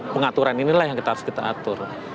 pengaturan inilah yang harus kita atur